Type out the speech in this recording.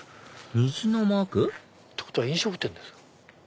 虹のマーク？ってことは飲食店ですよ。